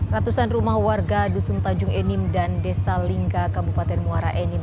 ratusan rumah warga dusun tanjung enim dan desa lingga kabupaten muara enim